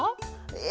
え！